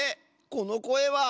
このこえは。